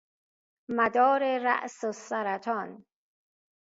مدار رأس السرطان